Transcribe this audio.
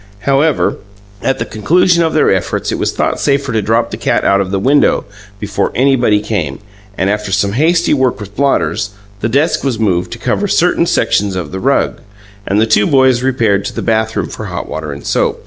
However, at the conclusion of their efforts, it was thought safer to drop the cat out of the window before anybody came, and, after some hasty work with blotters, the desk was moved to cover certain sections of the rug, and the two boys repaired to the bathroom for hot water and soap.